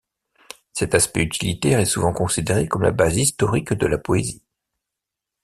Cet aspect utilitaire est souvent considéré comme la base historique de la poésie.